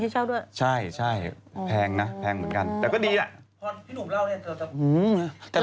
ใช่ใช่แพงนะแพงเหมือนกันแต่ก็ดีล่ะ